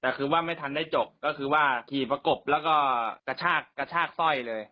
แต่คือว่าไม่ทันได้จบก็คือว่าขี่ประกบแล้วก็กระชากกระชากสร้อยเลย